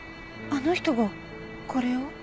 あの人がこれを？